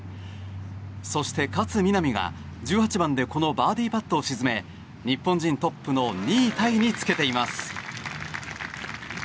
そして、勝みなみが１８番でこのバーディーパットを沈め日本人トップの２位タイにつけています。